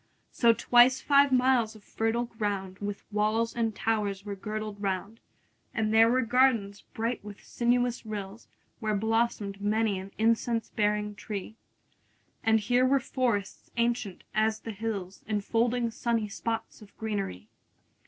5 So twice five miles of fertile ground With walls and towers were girdled round: And there were gardens bright with sinuous rills Where blossom'd many an incense bearing tree; And here were forests ancient as the hills, 10 Enfolding sunny spots of greenery.